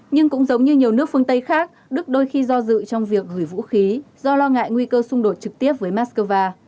nhưng cũng giống như nhiều nước phương tây khác đức đôi khi do dự trong việc gửi vũ khí do lo ngại nguy cơ xung đột trực tiếp với moscow